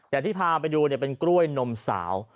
อย่างที่พาไปดูเป็นกล้วยนมสาว